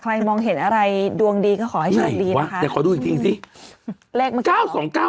ไม่แต่ในนี้เขาบอกว่า